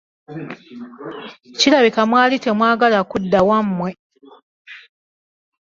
Kirabika mwali temwagala kudda wammwe.